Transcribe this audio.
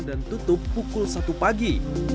dan tutup pukul satu pagi